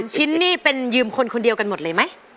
ชิ้นนี่เป็นยืมคนคนเดียวกันหมดเลยไหม